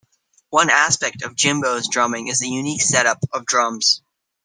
One aspect of Jimbo's drumming is the unique setup of drums.